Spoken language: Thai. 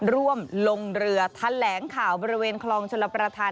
ร่วมลงเรือแถลงข่าวบริเวณคลองชลประธาน